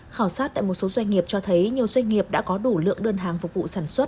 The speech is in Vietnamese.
khảo sát tại một số doanh nghiệp cho thấy nhiều doanh nghiệp đã có đủ lượng đơn hàng phục vụ sản xuất